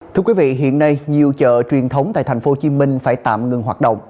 thưa quý vị hiện nay nhiều chợ truyền thống tại tp hcm phải tạm ngừng hoạt động